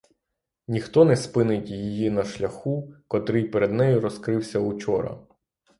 Ніхто не спинить її на шляху, котрий перед нею розкрився учора.